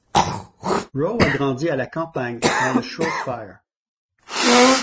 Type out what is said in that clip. Roe a grandi à la campagne, dans le Shropshire.